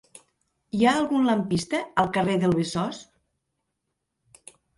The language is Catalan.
Hi ha algun lampista al carrer del Besòs?